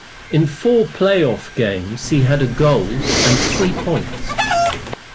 In four playoff games, he had a goal and three points.